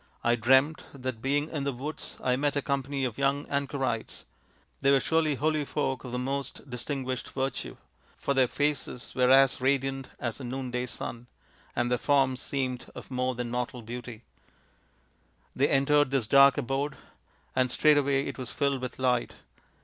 " I dreamt that, being in the woods, I met a company 270 THE INDIAN STORY BOOK of young anchorites ; they were surely holy folk of most distinguished virtue, for their faces were as radiant as the noonday sun, and their forms seemed of more than mortal beauty. They entered this dark abode, and straightway it was filled with light.